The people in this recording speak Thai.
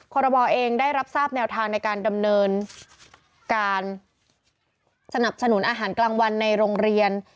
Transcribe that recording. ขอรมอเองได้รับทราบแนวทางในการดำเนินการสนับสนุนอาหารกลางวันในโรงเรียน